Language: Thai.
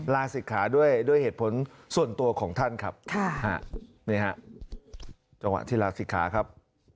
ลาศิกขาด้วยด้วยเหตุผลส่วนตัวของท่านครับนี่ฮะจังหวะที่ลาศิกขาครับ